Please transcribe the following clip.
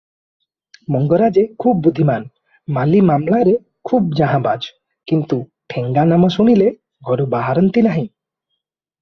ମଙ୍ଗରାଜେ ଖୁବ୍ ବୁଦ୍ଧିମାନ, ମାଲି ମାମଲାରେ ଖୁବ୍ ଜାହାଁବାଜ; କିନ୍ତୁ ଠେଙ୍ଗନାମ ଶୁଣିଲେ ଘରୁ ବାହରନ୍ତି ନାହିଁ ।